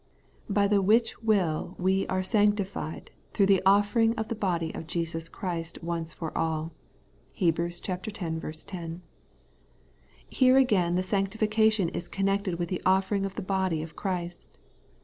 ' By the which will we are sancti fied, through the offering of the body of Jesus Christ once for all ' (Heb. x. 1 0). Here again the sanctifi cation is connected with the offering of the body of Christ.